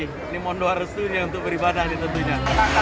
ini mohon doa restunya untuk beribadahnya tentunya